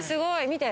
見て。